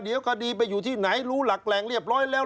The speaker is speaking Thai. เดี๋ยวคดีไปอยู่ที่ไหนรู้หลักแหล่งเรียบร้อยแล้ว